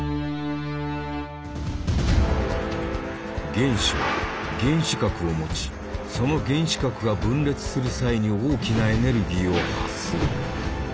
原子は原子核を持ちその原子核が分裂する際に大きなエネルギーを発する。